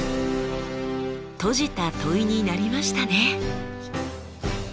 閉じた問いになりましたね。